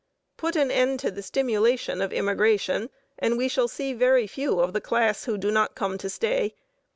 Put an end to the stimulation of immigration, and we shall see very few of the class who do not come to stay.